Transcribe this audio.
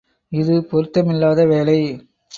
இது பொருத்தமில்லாத வேலை.